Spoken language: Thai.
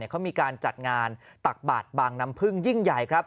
เขามีการจัดงานตักบาทบางน้ำพึ่งยิ่งใหญ่ครับ